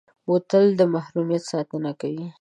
بوتل د محرمیت ساتنه کوي.